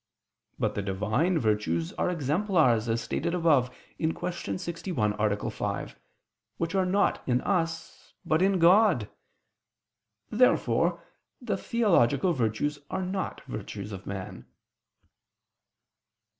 But the Divine virtues are exemplars, as stated above (Q. 61, A. 5), which are not in us but in God. Therefore the theological virtues are not virtues of man.